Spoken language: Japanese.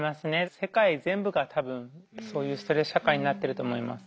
世界全部が多分そういうストレス社会になってると思います。